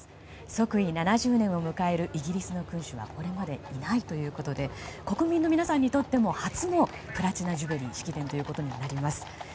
即位７０年を迎えるイギリスの君主はこれまでいないということで国民の皆さんにとっても初のプラチナ・ジュビリーの式典ということになります。